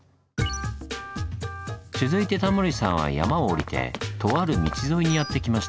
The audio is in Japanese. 続いてタモリさんは山を下りてとある道沿いにやって来ました。